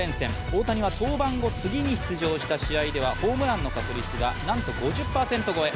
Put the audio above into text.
大谷は、登板後、次に出場した試合ではホームランの確率がなんと５０％超え。